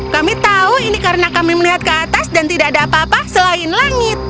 kami tahu ini karena kami melihat ke atas dan tidak ada apa apa selain langit